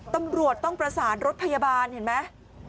ตำรวจต้องประสานรถพยาบาลเห็นไหม